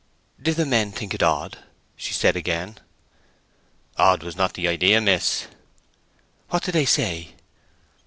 "Did the men think it odd?" she said again. "Odd was not the idea, miss." "What did they say?"